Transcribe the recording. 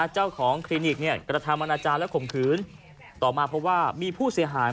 คลินิกกระทำอนาจารย์และข่มขืนต่อมาเพราะว่ามีผู้เสียหาย